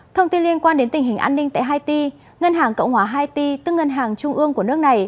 thông tin liên quan đến tình hình an ninh tại haiti ngân hàng cộng hòa haiti tức ngân hàng trung ương của nước này